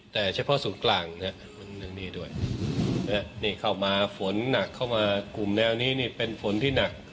แต่เฉพาะศูนย์กลางมันนี่ด้วยนี่เข้ามาฝนหนักเข้ามากลุ่มแนวนี้นี่เป็นฝนที่หนัก